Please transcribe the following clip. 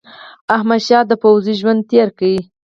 احمدشاه د پوځي ژوند تېر کړ.